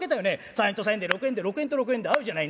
３円と３円で６円で６円と６円で合うじゃない。